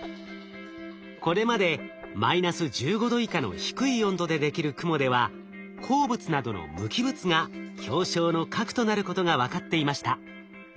これまでマイナス１５℃以下の低い温度でできる雲では鉱物などの無機物が氷晶の核となることが分かっていました。